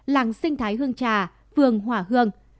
làng sinh thái hương trà vườn hỏa hương